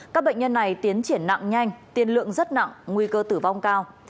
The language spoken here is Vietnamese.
các bệnh nhân này tiến triển nặng nhanh tiền lượng rất nặng nguy cơ tử vong cao